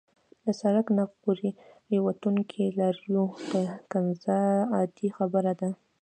له سړک نه پورې وتونکو لارویو ته کنځا عادي خبره ده.